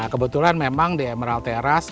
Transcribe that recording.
kebetulan memang di emerald terrace